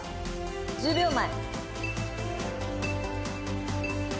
１０秒前。